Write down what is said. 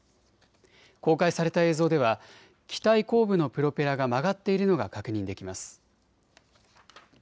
公開された映像では機体後部のプロペラが曲がっているのが確認できます。